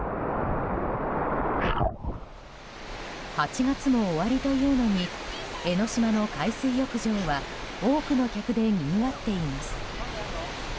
８月も終わりというのに江の島の海水浴場は多くの客でにぎわっています。